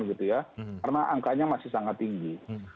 karena angkanya masih sangat tinggi